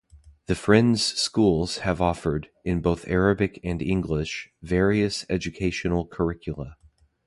The Friends Schools have offered, in both Arabic and English, various educational curricula.